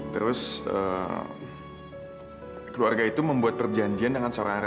terus keluarga itu membuat perjanjian dengan seorang anak